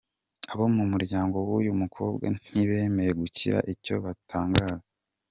Abo mu muryango w’uyu mukobwa ntibemeye kugira icyo batangaza.